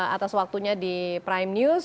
atas waktunya di prime news